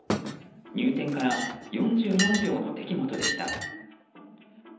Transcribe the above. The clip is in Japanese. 入店から４４秒の出来事でした。